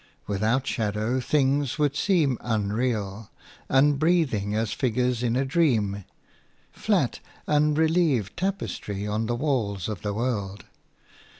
Without shadow things would seem unreal, unbreathing as figures in a dream – flat, unrelieved tapestry on the walls of the world.